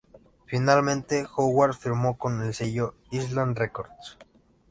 Finalmente Howard firmó con el sello Island Records.